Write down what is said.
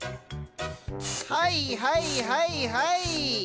はいはいはいはい！